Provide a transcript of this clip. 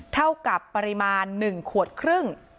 เท่ากับปริมาณ๑ขวดครึ่ง